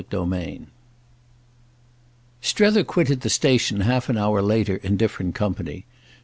II Strether quitted the station half an hour later in different company.